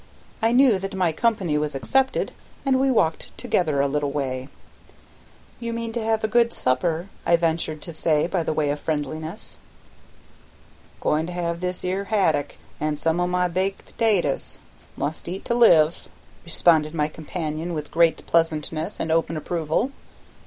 I knew that my company was accepted, and we walked together a little way. "You mean to have a good supper," I ventured to say, by way of friendliness. "Goin' to have this 'ere haddock an' some o' my good baked potatoes; must eat to live," responded my companion with great pleasantness and open approval.